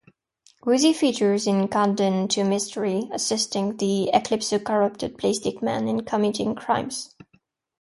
Woozy features in "Countdown to Mystery", assisting the Eclipso-corrupted Plastic Man in committing crimes.